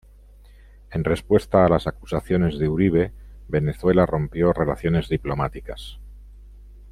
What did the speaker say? En respuesta a las acusaciones de Uribe Venezuela rompió relaciones diplomáticas.